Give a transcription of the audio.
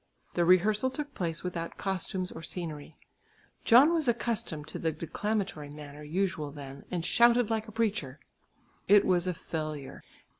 The rehearsal took place without costumes or scenery. John was accustomed to the declamatory manner usual then, and shouted like a preacher. It was a failure.